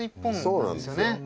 そうなんですよ。